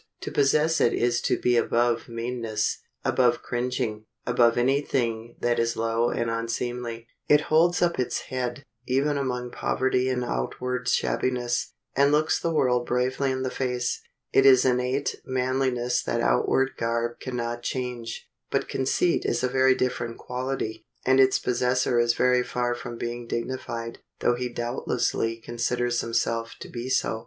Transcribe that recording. To possess it is to be above meanness, above cringing, above any thing that is low and unseemly. It holds up its head, even among poverty and outward shabbiness, and looks the world bravely in the face. It is innate manliness that outward garb can not change. But conceit is a very different quality, and its possessor is very far from being dignified, though he doubtlessly considers himself to be so.